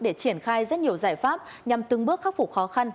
để triển khai rất nhiều giải pháp nhằm từng bước khắc phục khó khăn